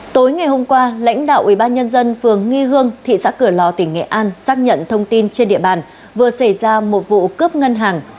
tối ngày hôm qua lãnh đạo ubnd phường nghi hương thị xã cửa lò tỉnh nghệ an xác nhận thông tin trên địa bàn vừa xảy ra một vụ cướp ngân hàng